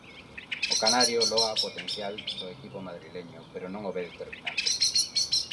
O canario loa o potencial do equipo madrileño, pero non o ve determinante.